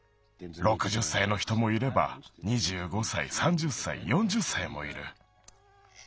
６０歳の人もいれば２５歳３０歳４０歳もいる。